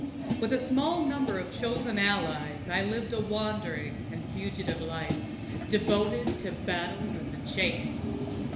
With a small number of chosen allies I lived a wandering and fugitive life, devoted to battle and the chase.